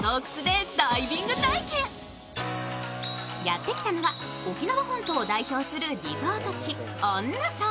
やってきたのは沖縄本島を代表するリゾート地・恩納村。